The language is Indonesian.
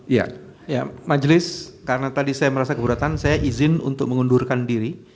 ya majelis karena tadi saya merasa keberatan saya izin untuk mengundurkan diri